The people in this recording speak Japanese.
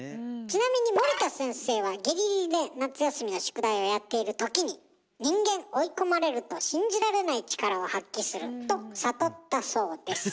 ちなみに森田先生はギリギリで夏休みの宿題をやっているときに「人間追い込まれると信じられない力を発揮する」と悟ったそうです。